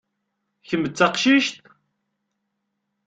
Kem d taqcict?